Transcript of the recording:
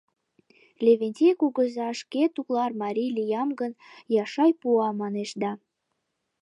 Левентей кугыза, шке тулар марий лиям гын, Яшай пуа, манеш да...